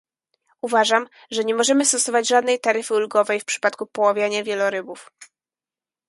Uważam, że nie możemy stosować żadnej taryfy ulgowej w przypadku poławiania wielorybów